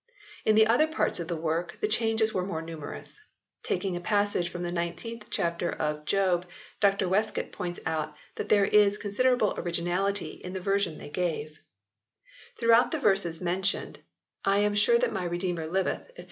In the other parts of the work the changes were more numerous. Taking a passage from the 19th chapter of Job Dr Westcott points out that there is considerable originality in the version they gave. V] THREE RIVAL VERSIONS 77 Throughout the verses mentioned "I am sure that my Redeemer liveth," &c.